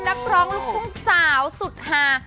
นักร้องหลุงสาวสุดฮา